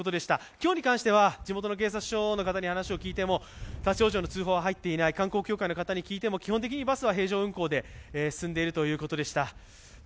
今日に関しては地元の警察署の方に話を聞いても、立往生の通報は入っていない観光協会の方に聞いても基本的にバスは平常運行で済んでいるということでした。